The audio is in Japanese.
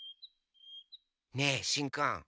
ねえしんくん